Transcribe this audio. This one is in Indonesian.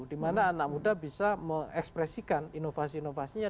dimana anak muda bisa mengekspresikan inovasi inovasinya